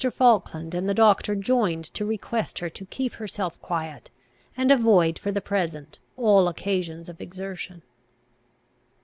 Falkland and the doctor joined to request her to keep herself quiet, and avoid for the present all occasions of exertion.